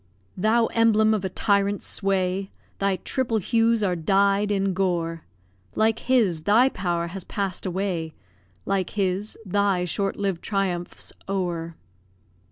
Thou emblem of a tyrant's sway, Thy triple hues are dyed in gore; Like his, thy power has pass'd away Like his, thy short lived triumph's o'er.